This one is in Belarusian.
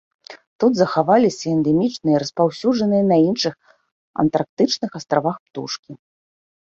Тут захаваліся эндэмічныя і распаўсюджаныя на іншых антарктычных астравах птушкі.